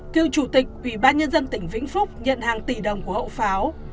cựu chủ tịch ủy ban nhân dân tỉnh vĩnh phúc nhận hàng tỷ đồng của hậu pháo